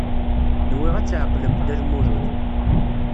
Nwiɣ ad tɛeqlem Dda Lmulud.